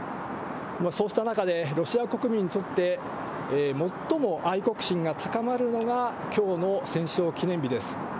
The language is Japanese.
そうした中で、ロシア国民にとって、最も愛国心が高まるのがきょうの戦勝記念日です。